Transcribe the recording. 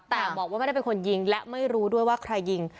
แต่บอกว่าไม่ได้เป็นคนยิงและไม่รู้ด้วยว่าใครยิง